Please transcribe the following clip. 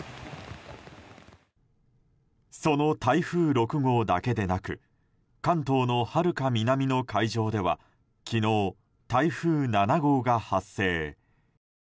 その台風６号だけでなく関東のはるか南の海上では昨日、台風７号が発生。